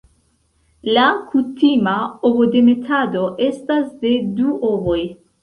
La kutima ovodemetado estas de du ovoj.